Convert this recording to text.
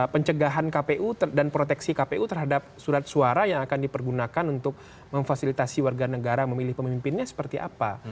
pencegahan kpu dan proteksi kpu terhadap surat suara yang akan dipergunakan untuk memfasilitasi warga negara memilih pemimpinnya seperti apa